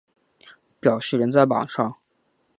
表示仍在榜上